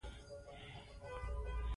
افغانستان د ښارونو له امله نړیوال شهرت لري.